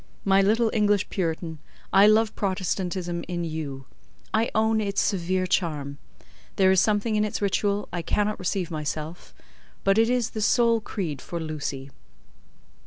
My little English Puritan, I love Protestantism in you. I own its severe charm. There is something in its ritual I cannot receive myself, but it is the sole creed for 'Lucy.